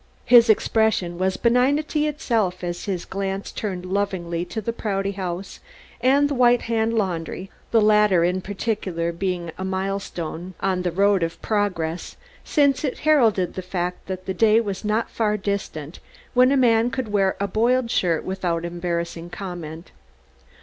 His expression was benignity itself as his glance turned lovingly to the Prouty House and the White Hand Laundry the latter in particular being a milestone on the road of Progress since it heralded the fact that the day was not far distant when a man could wear a boiled shirt without embarrassing comment.